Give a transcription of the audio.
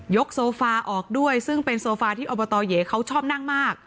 โซฟาออกด้วยซึ่งเป็นโซฟาที่อบตเย๋เขาชอบนั่งมาก